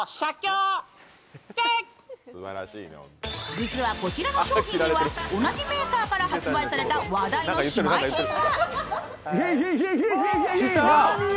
実はこちらの商品には同じメーカーから発売された話題の姉妹品が。